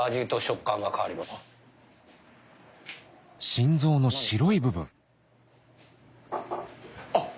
心臓の白い部分あっ！